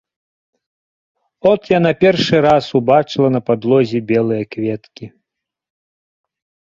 От яна першы раз убачыла на падлозе белыя кветкі.